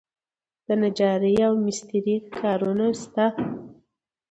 د نجارۍ او مسترۍ کارونه شته؟